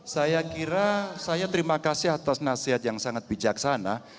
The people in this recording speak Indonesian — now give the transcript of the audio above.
saya kira saya terima kasih atas nasihat yang sangat bijaksana